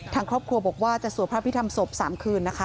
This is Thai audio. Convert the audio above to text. ทางครอบครัวบอกว่าจะสวดพระพิธรรมศพ๓คืนนะคะ